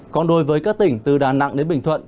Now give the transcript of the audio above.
còn đối với các tỉnh từ đà nẵng đến bình thuận